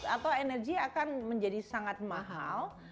atau energi akan menjadi sangat mahal